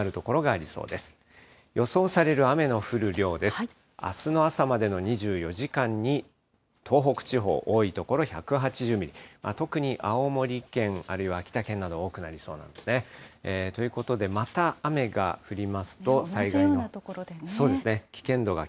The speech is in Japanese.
あすの朝までの２４時間に東北地方、多い所１８０ミリ、特に青森県、あるいは秋田県など、多くなりそうなんですね。ということで、また雨が降りますと、災害が。